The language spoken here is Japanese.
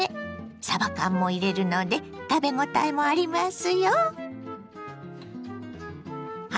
さば缶も入れるので食べごたえもありますよ。